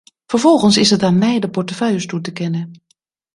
Vervolgens is het aan mij de portefeuilles toe te kennen.